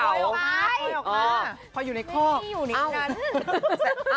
พ่อยออกไปพ่อยอยู่ในข้อก